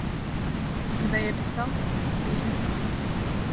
– Когда я писал, то я не знал.